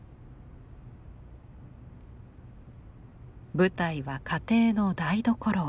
舞台は家庭の台所。